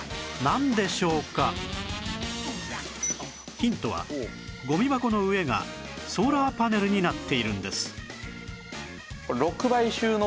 ヒントはゴミ箱の上がソーラーパネルになっているんです